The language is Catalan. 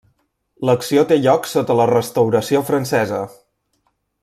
L'acció té lloc sota la Restauració francesa.